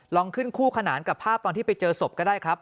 ลองขึ้นคู่ขนานกับภาพตอนที่ไปเจอศพก็ได้ครับ